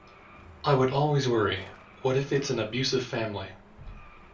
I would always worry: what if it's an abusive family?